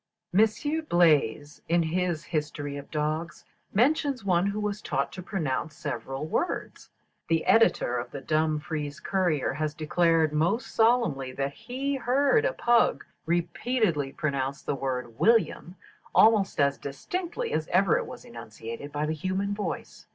Monsieur Blaze, in his "History of Dogs," mentions one who was taught to pronounce several words. The editor of the "Dumfries Courier" has declared most solemnly that he "heard a pug repeatedly pronounce the word 'William,' almost as distinctly as ever it was enunciated by the human voice.